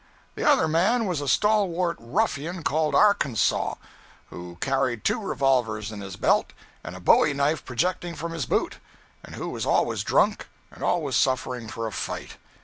The other man was a stalwart ruffian called "Arkansas," who carried two revolvers in his belt and a bowie knife projecting from his boot, and who was always drunk and always suffering for a fight.